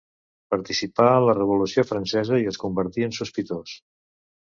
Participà en la Revolució Francesa i es convertí en sospitós.